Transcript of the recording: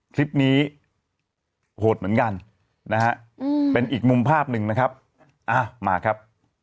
คลิปนี้โหดเหมือนกันนะฮะเป็นอีกมุมภาพหนึ่งนะครับมาครับ